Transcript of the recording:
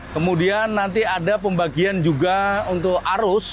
kemudian nanti ada pembagian juga untuk arus